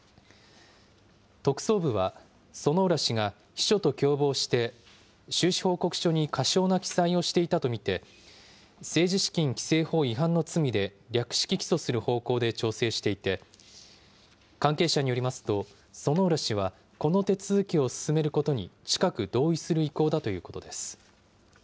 特捜部は、薗浦氏が秘書と共謀して、収支報告書に過少な記載をしていたと見て、政治資金規正法違反の罪で略式起訴する方向で調整していて、関係者によりますと、薗浦氏はこの手続きを進めることに近く同意する意向だということです。